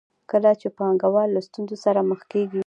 کله چې پانګوال له ستونزو سره مخ کېږي